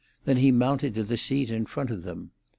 Then he mounted to the seat in front of them.